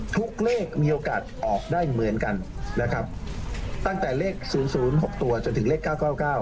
ทุกเลขมีโอกาสออกได้เหมือนกันตั้งแต่เลข๐๐๖ตัวจนถึงเลข๙๙๙